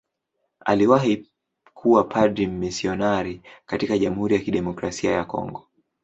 Aliwahi kuwa padri mmisionari katika Jamhuri ya Kidemokrasia ya Kongo.